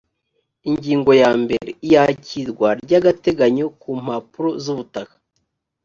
ingingo ya mbere iyakirwa ry agateganyo kumpapuro zubutaka